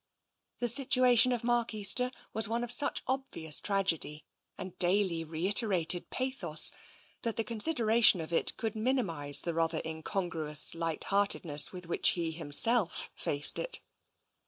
The situation of Mark Easter was one of such obvious tragedy, and daily reiterated pathos, that the consid eration of it could minimise the rather incongruous light heartedness with which he himself faced it.